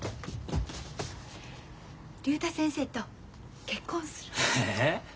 竜太先生と結婚する。